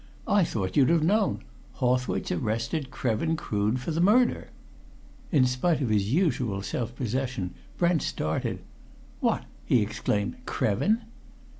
"I thought you'd have known. Hawthwaite's arrested Krevin Crood for the murder." In spite of his usual self possession, Brent started. "What!" he exclaimed. "Krevin!"